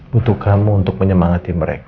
butuh kamu untuk menyemangati mereka